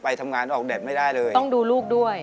ทำงานออกแบบไม่ได้เลยต้องดูลูกด้วย